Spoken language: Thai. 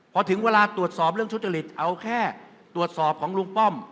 พอถึงเวลาตรวจสอบเรื่องทุจริตเอาแค่ตรวจสอบของลุงป้อม